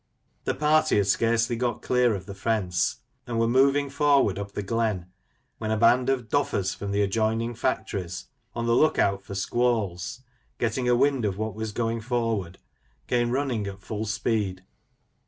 The party had scarcely got clear of the fence, and were moving forward up the glen, when a band of "Doffers'^ from the adjoining factories, on the look out for squalls, getting a wind of what was going forward, came running at full speed.